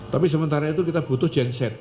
tapi sementara itu kita butuh genset